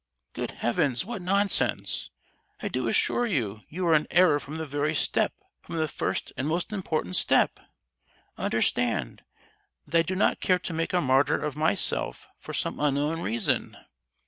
"Good heavens, what nonsense! I do assure you you are in error from the very first step—from the first and most important step! Understand, that I do not care to make a martyr of myself for some unknown reason!